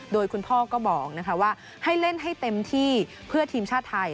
โดยคุณพ่อก็บอกว่าให้เล่นให้เต็มที่เพื่อทีมชาติไทย